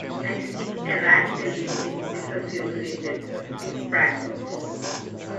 I speak erratically, in disassociated fragments.